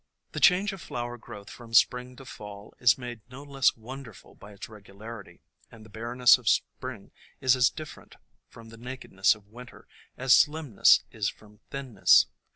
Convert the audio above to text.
The change of flower growth from Spring to Fall is made no less wonderful by its regularity, and the bareness of Spring is as different from the nakedness of Winter as slimness is from thinness.